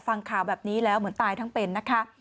ฟังข่าวแบบนี้แล้วเหมือนตายทั้งเป็นนะคะ